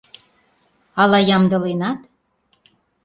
— Ала ямдыленат?